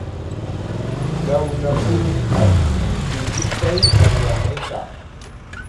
Gaw na pini afti gayɗi pay a riya amay ta.